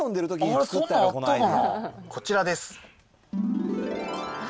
こちらです。